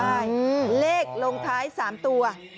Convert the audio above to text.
ใช่เลขลงท้าย๓ตัว